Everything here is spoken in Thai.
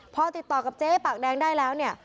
พอติดต่อกับเจ๊ปากแดงได้แล้วเนี่ย